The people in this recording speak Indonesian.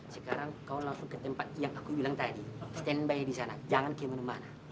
sekarang kau langsung ke tempat yang aku bilang tadi stand by di sana jangan ke mana mana